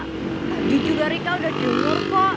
tadi juga rika udah jemur kok